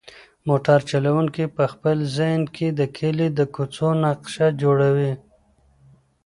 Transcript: موټر چلونکی په خپل ذهن کې د کلي د کوڅو نقشه جوړوي.